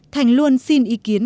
thành luôn xin ý kiến